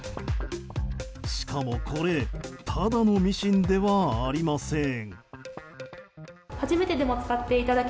しかもこれただのミシンではありません。